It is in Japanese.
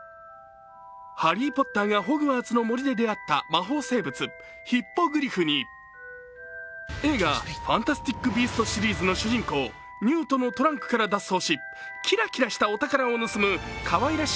ハリー・ポッターがホグワーツの森で出会った魔法生物・ヒッポグリフに映画「ファンタスティック・ビースト」シリーズの主人公、ニュートのトランクから脱走し、キラキラしたお宝を盗むかわいらしい